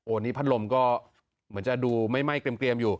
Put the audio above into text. อันนี้พัดลมก็เหมือนจะดูไม่ไหม้เกลี่ยมอยู่